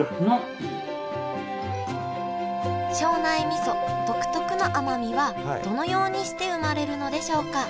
みそ独特の甘みはどのようにして生まれるのでしょうか？